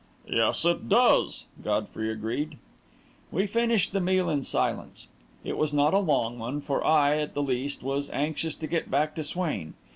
"Yes, it does," Godfrey agreed. We finished the meal in silence. It was not a long one, for I, at least, was anxious to get back to Swain.